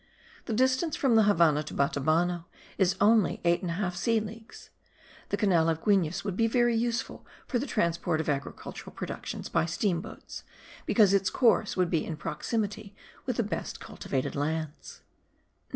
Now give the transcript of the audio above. The distance from the Havannah to Batabano is only eight and a half sea leagues. The canal of Guines would be very useful for the transport of agricultural productions by steam boats,* because its course would be in proximity with the best cultivated lands.